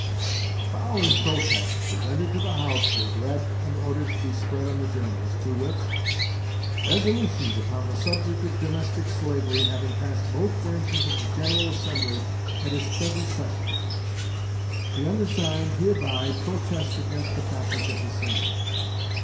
The following protest, presented to the House, was read and ordered to be spread on the journals, to wit: Resolutions upon the subject of domestic slavery having passed both branches of the General Assembly at its present session, the undersigned hereby protest against the passage of the same.